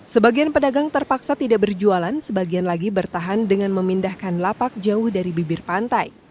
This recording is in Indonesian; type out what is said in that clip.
sebagian pedagang terpaksa tidak berjualan sebagian lagi bertahan dengan memindahkan lapak jauh dari bibir pantai